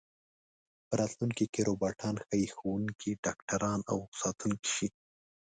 په راتلونکي کې روباټان ښايي ښوونکي، ډاکټران او ساتونکي شي.